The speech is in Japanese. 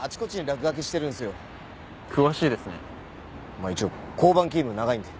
まあ一応交番勤務長いんで。